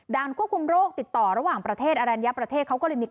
ด้านควบคุมโรคติดต่อระหว่างประเทศอรัญยประเทศ